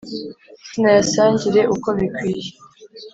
zinayasangire uko bikwiye